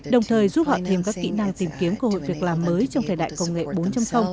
đồng thời giúp họ thêm các kỹ năng tìm kiếm cơ hội việc làm mới trong thời đại công nghệ bốn